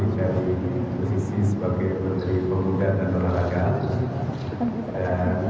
dari posisi sebagai menteri pengunduran dan penanakan